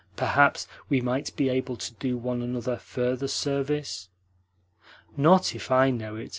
Perhaps we might be able to do one another further service?" "Not if I know it!"